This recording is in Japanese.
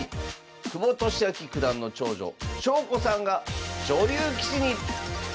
久保利明九段の長女翔子さんが女流棋士に！